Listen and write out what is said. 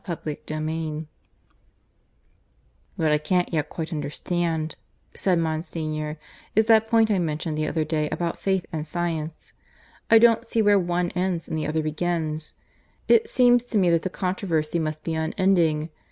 CHAPTER VII (I) "What I can't yet quite understand," said Monsignor, "is that point I mentioned the other day about Faith and Science. I don't see where one ends and the other begins. It seems to me that the controversy must be unending.